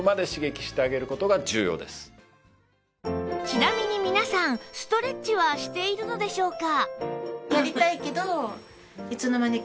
ちなみに皆さんストレッチはしているのでしょうか？